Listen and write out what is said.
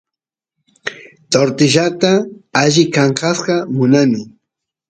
tortillata alli kankasqa munani